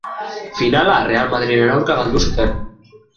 Finala Real Madrilen aurka galdu zuten.